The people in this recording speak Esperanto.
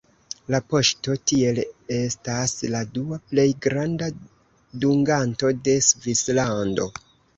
La poŝto tiel estas la dua plej granda dunganto de Svislando.